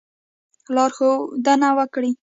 لارښودنه وکړي.